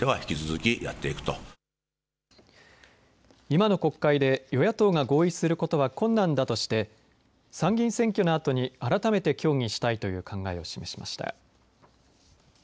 今の国会で与野党が合意することは困難だとして参議院選挙のあとに改めて協議したいという考えを示しました。